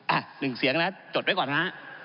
อ่ะหนึ่งเสียงแล้วจดไว้ก่อนฮะ